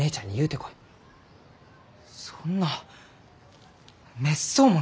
そんなめっそうもない！